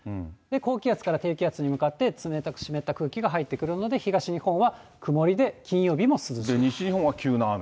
高気圧から低気圧に向かって、冷たく湿った空気が入ってくるので、東日本は曇りで、西日本は急な雨？